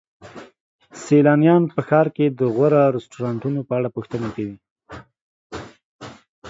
سیلانیان په ښار کې د غوره رستورانتونو په اړه پوښتنه کوي.